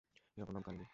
এর অপর নাম কালিন্দী।